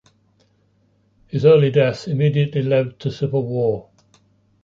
His early death immediately led to civil war.